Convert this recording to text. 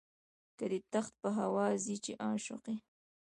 که دي تخت په هوا ځي چې عاشق یې.